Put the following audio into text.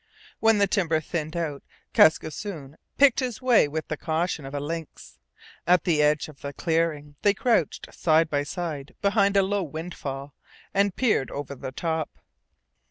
When the timber thinned out Kaskisoon picked his way with the caution of a lynx. At the edge of the clearing they crouched side by side behind a low windfall, and peered over the top.